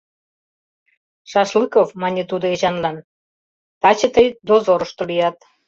— Шашлыков, — мане тудо Эчанлан, — таче тый дозорышто лият.